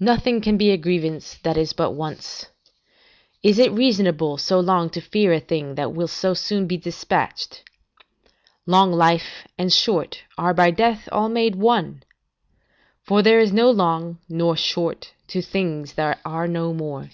Nothing can be a grievance that is but once. Is it reasonable so long to fear a thing that will so soon be despatched? Long life, and short, are by death made all one; for there is no long, nor short, to things that are no more.